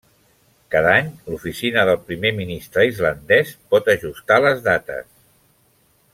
Cada any, l'oficina del primer ministre islandès pot ajustar les dates.